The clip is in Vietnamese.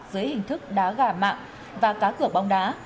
dưới hình thức đá gà mạng và cá cửa bóng đá